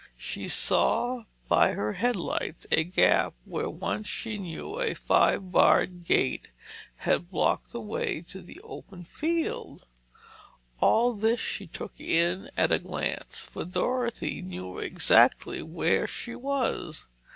She saw by her headlights a gap where once she knew a five barred gate had blocked the way to the open field. All this she took in at a glance, for Dorothy knew exactly where she was.